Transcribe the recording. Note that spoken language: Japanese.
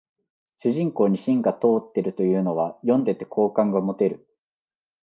主人公に芯が通ってるというのは読んでて好感が持てる